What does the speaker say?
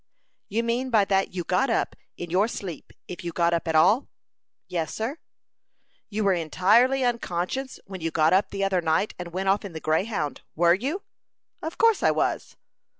"You mean by that you got up in your sleep if you got up at all?" "Yes, sir." "You were entirely unconscious when you got up the other night and went off in the Greyhound were you?" "Of course I was."